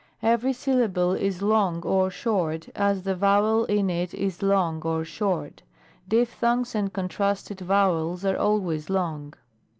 Every syllable is long or short as the vowel in it is long or short. Diphthongs and contracted vowels are always long.